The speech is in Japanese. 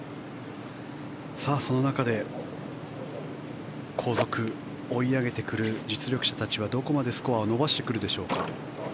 その中で後続追い上げてくる実力者たちはどこまでスコアを伸ばしてくるでしょうか。